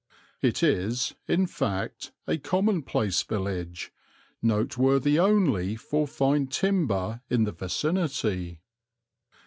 It is, in fact, a commonplace village, noteworthy only for fine timber in the vicinity.